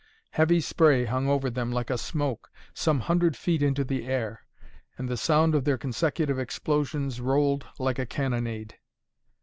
Heavy spray hung over them like a smoke, some hundred feet into the air; and the sound of their consecutive explosions rolled like a cannonade.